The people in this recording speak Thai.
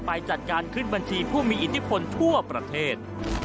ไปจัดการขึ้นบัญชีผู้มีอิทธิพลทั่วประเทศ